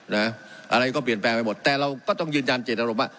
อะไรก็เปลี่ยนแปลงไปหมดแต่เราก็ต้องยืนยันเจตนารมณ์ว่า